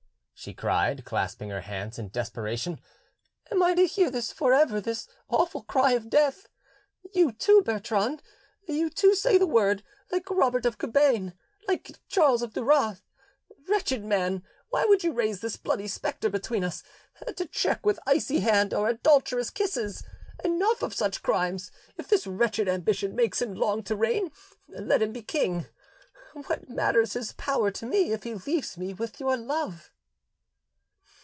she cried, clasping her hands in desperation, "am I to hear for ever this awful cry of death! You too, Bertrand, you too say the word, like Robert of Cabane, like Charles of Duras? Wretched man, why would you raise this bloody spectre between us, to check with icy hand our adulterous kisses? Enough of such crimes; if his wretched ambition makes him long to reign, let him be king: what matters his power to me, if he leaves me with your love?"